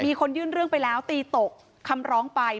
มีคนยื่นเรื่องไปแล้วตีตกคำร้องไป